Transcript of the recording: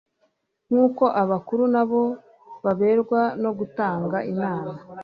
nk'uko abakuru na bo baberwa no gutanga inama